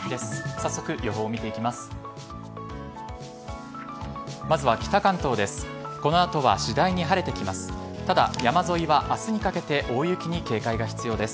早速、予報を見ていきます。